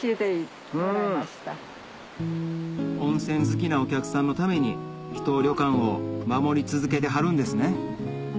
温泉好きなお客さんのために秘湯旅館を守り続けてはるんですね